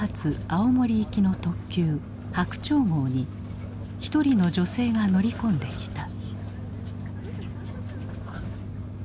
青森行きの特急白鳥号に一人の女性が乗り込んできた。